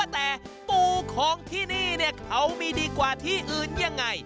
แต่ปูของที่นี่เขามีดีกว่าที่อื่นยังไง